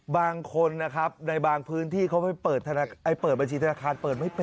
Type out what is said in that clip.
บางคนนะครับในบางพื้นที่เขาไปเปิดบัญชีธนาคาร